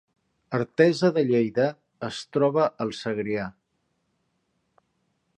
Artesa de Lleida es troba al Segrià